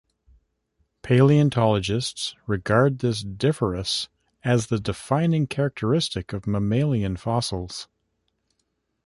Paleontologists regard this differace as the defining characteristic of mammalian fossils.